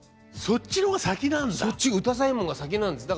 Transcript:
そっちが「歌祭文」が先なんです。